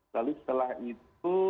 lalu setelah itu